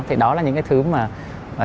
thì đó là những cái thứ mà